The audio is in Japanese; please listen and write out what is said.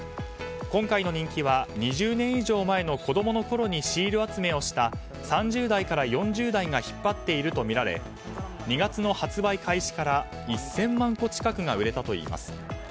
今回の人気は２０年以上前の子供のころにシール集めをした３０代から４０代が引っ張っているとみられ２月の発売開始から１０００万個近くが売れたといいます。